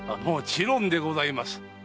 もちろんでございます。